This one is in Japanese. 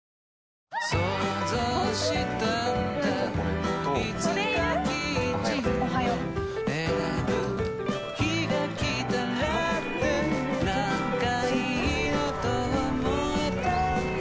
なんかいいなと思えたんだ